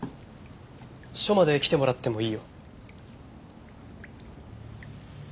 署まで来てもらってもいいよ。